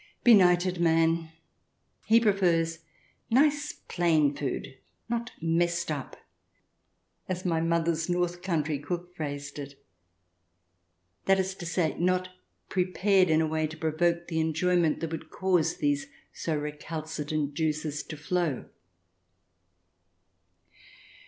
Benighted man ! He prefers " nice plain food, not messed up," as my mother's North Country cook phrased it — that is to say, not prepared in a way to provoke the enjoyment that would cause these so recalcitrant juices to flow.